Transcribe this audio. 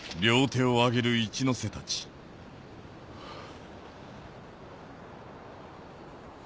ハァ。